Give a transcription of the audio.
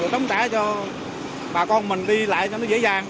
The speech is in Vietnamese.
đóng tải cho bà con mình đi lại cho nó dễ dàng